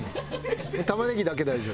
玉ねぎだけ大丈夫。